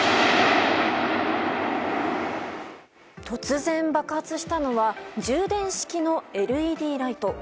突然爆発したのは充電式のＬＥＤライト。